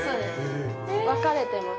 分かれてます。